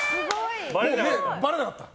ばれなかった。